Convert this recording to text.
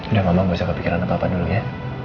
udah ngomong gak usah kepikiran apa apa dulu ya